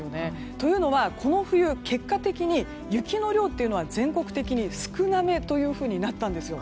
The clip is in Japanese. というのはこの冬、結果的に雪の量は全国的に少なめというふうになったんですよ。